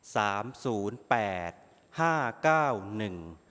สามศูนย์แปดห้าเก้าหนึ่ง